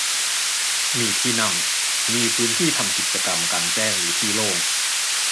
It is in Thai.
มีที่นั่ง มีพื้นที่ทำกิจกรรมกลางแจ้งหรือที่โล่ง